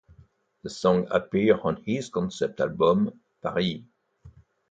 The song appears on his concept album "Paris".